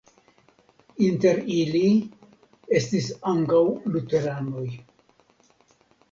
Inter ili estis ankaŭ luteranoj.